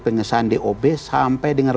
pengesahan dob sampai dengan